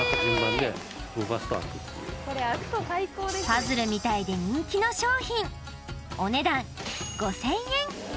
パズルみたいで人気の商品お値段５０００円